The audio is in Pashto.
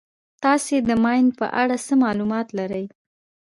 تاسې د ماین په اړه څه معلومات لرئ.